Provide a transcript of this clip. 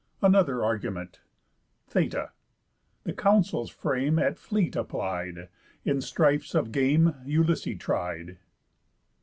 ANOTHER ARGUMENT Θη̑τα. The council's frame At fleet applied. In strifes of game Ulysses tried.